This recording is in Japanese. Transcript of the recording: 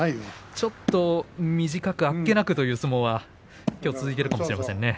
ちょっと短くあっけないという相撲がきょう続いてるかもしれません。